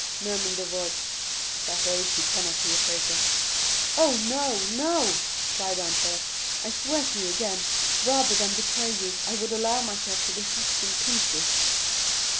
murmured the voice; "at that age he cannot be a traitor." "Oh, no, no," cried Dantès. "I swear to you again, rather than betray you, I would allow myself to be hacked in pieces!"